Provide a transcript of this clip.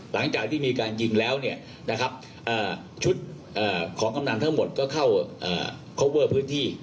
หลังจากที่มีการยิงแล้วเนี่ยชุดของกำนันทั้งมดก็ครอบรับพื้นที่